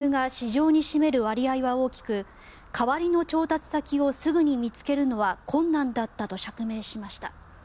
ロシア産の原油が市場に占める割合は大きく代わりの調達先をすぐに見つけるのは困難だったと釈明しました。